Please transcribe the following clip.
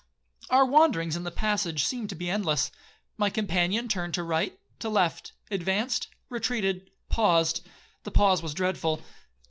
'Our wanderings in the passage seemed to be endless. My companion turned to right, to left,—advanced, retreated, paused,—(the pause was dreadful)!